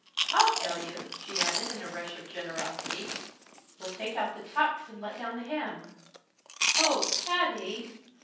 "I'll tell you!" she added, in a rush of generosity. "We'll take out the tucks and let down the hem." "Oh, Patty!"